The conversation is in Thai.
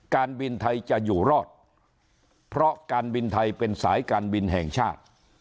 การบินไทยจะอยู่รอดเพราะการบินไทยเป็นสายการบินแห่งชาติ